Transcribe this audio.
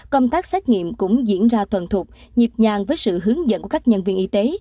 công tác xét nghiệm cũng diễn ra thuần thục nhịp nhàng với sự hướng dẫn của các nhân viên y tế